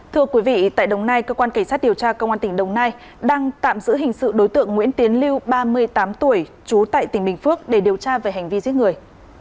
thưa quý vị tại đồng nai cơ quan cảnh sát điều tra công an tỉnh đồng nai đang tạm giữ hình sự đối tượng nguyễn tiến lưu ba mươi tám tuổi trú tại tỉnh bình phước để điều tra về hành vi giết người